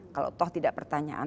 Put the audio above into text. kalau toh tidak pertanyaan